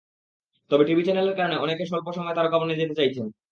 তবে টিভি চ্যানেলের কারণে অনেকে অল্প সময়ে তারকা বনে যেতে চাইছেন।